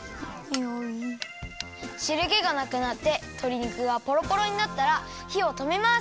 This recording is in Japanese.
しるけがなくなってとり肉がポロポロになったらひをとめます！